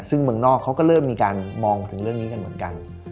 ซึ่งเมืองนอกเขาก็เริ่มมีการมองถึงเรื่องนี้กันเหมือนกัน